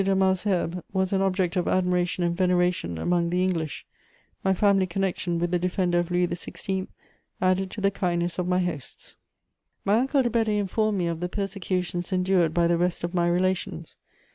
de Malesherbes was an object of admiration and veneration among the English; my family connection with the defender of Louis XVI. added to the kindness of my hosts. My uncle de Bedée informed me of the persecutions endured by the rest of my relations.